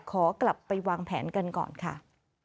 ขอกลับไปวางแผนกันก่อนค่ะ